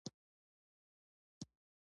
انګرېزي لښکرو یرغل وکړ.